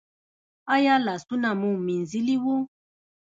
ایا لاسونه مو مینځلي وو؟